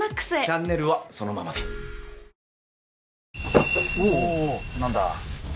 チャンネルはそのままでなんだ？